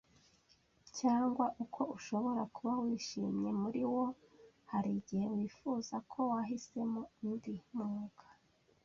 cyangwa uko ushobora kuba wishimye muriwo, hari igihe wifuza ko wahisemo undi mwuga.